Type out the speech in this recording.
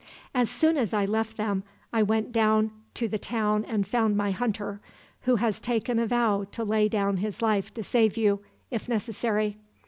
"As soon as I left them, I went down to the town and found my hunter, who has taken a vow to lay down his life to save you, if necessary.